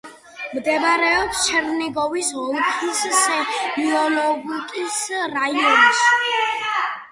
მდებარეობს ჩერნიგოვის ოლქის სემიონოვკის რაიონში.